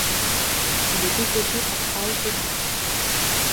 Il est développé par iObit.